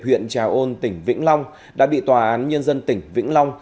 huyện trà ôn tỉnh vĩnh long đã bị tòa án nhân dân tỉnh vĩnh long